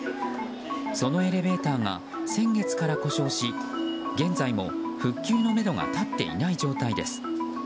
そのエレベーターが先月から故障し現在も復旧のめどが立っていない状態です。